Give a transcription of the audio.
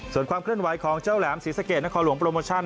ส่วนความเคลื่อนไหวของเจ้าแหลมศรีสะเกดนครหลวงโปรโมชั่น